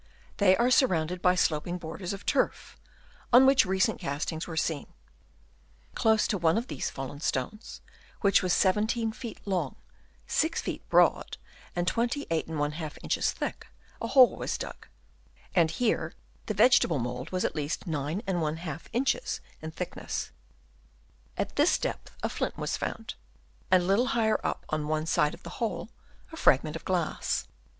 They are surrounded by sloping borders of turf, on which recent castings were seen. Close to one of these fallen stones, which was 17 ft. long, 6 ft. broad, and 28^ inches thick, a hole was dug ; and here the vegetable mould was at least 9£ inches in thickness. At this depth a flint was found, and a little higher up on one side of the hole a fragment of glass.